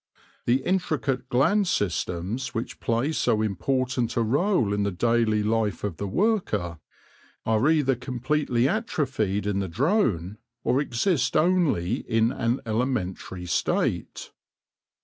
The intricate gland systems, which play so important a role in the daily life of the worker, are either completely atrophied in the drone or exist only in an elementary state.